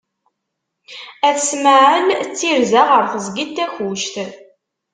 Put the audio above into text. At Smaεel, Ttirza ɣer teẓgi n Takkuct.